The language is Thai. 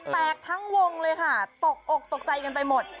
แตกทั้งวงเลยค่ะตกอกตกใจกันไปหมด